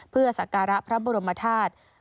เพื่อสักการะพระบรมธาตุ